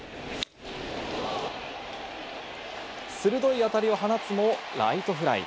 鋭いあたりを放つも、ライトフライ。